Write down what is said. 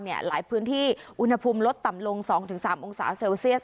หลายพื้นที่อุณหภูมิลดต่ำลง๒๓องศาเซลเซียส